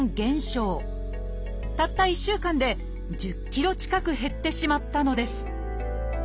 たった１週間で１０ｋｇ近く減ってしまったのです。